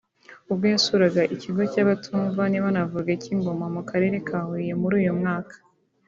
ubwo yasuraga ikigo cy’abatumva ntibanavuge cy’i Ngoma mu Karere ka Huye muri uyu mwaka